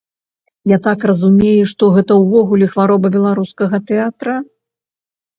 Я так разумею, што гэта ўвогуле хвароба беларускага тэатра?